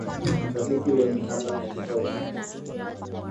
mashabiki wengi hapa katika ukanda